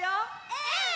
うん！